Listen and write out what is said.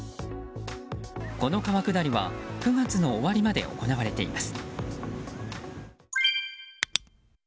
この川下りは９月の終わりまで行われています。